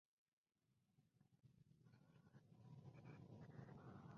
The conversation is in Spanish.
Entre otros, participó en el Festival de Jazz de Montreux.